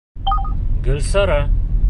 Гөлсара